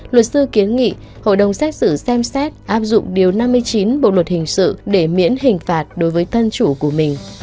luật sư kiến nghị hội đồng xét xử xem xét áp dụng điều năm mươi chín bộ luật hình sự để miễn hình phạt đối với thân chủ của mình